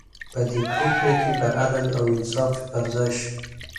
په دې پرېکړې کې به عدل او انصاف پر ځای شي.